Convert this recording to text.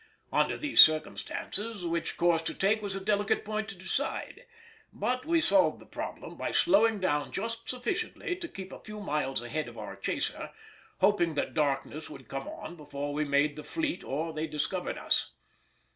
Under these circumstances what course to take was a delicate point to decide, but we solved the problem by slowing down just sufficiently to keep a few miles ahead of our chaser, hoping that darkness would come on before we made the fleet or they discovered us.